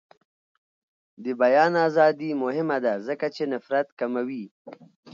د بیان ازادي مهمه ده ځکه چې نفرت کموي.